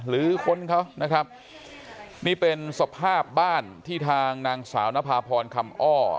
ค้นเขานะครับนี่เป็นสภาพบ้านที่ทางนางสาวนภาพรคำอ้อ